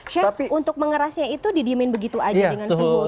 chef untuk mengerasnya itu didimen begitu aja dengan suhu